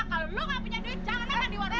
kalau lu nggak punya duit jangan akan diwarungkan